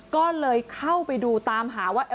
ก็เลยเข้าไปดูตามหาว่า